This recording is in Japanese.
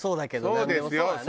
なんでもそうだね。